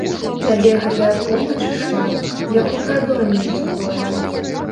Табе гэтая помач ішла, як у прадонне якое.